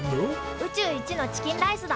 宇宙一のチキンライスだ！